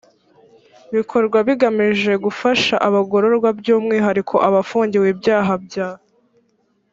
bikorwa bigamije gufasha abagororwa by umwihariko abafungiwe ibyaha bya